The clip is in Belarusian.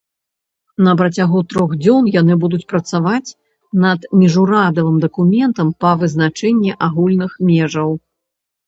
На працягу трох дзён яны будуць працаваць над міжурадавым дакументам па вызначэнні агульных межаў.